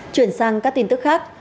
chuyển sang các tin tức khác